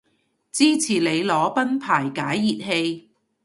支持你裸奔排解熱氣